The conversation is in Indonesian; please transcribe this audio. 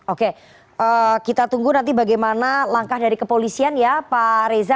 oke kita tunggu nanti bagaimana langkah dari kepolisian ya pak reza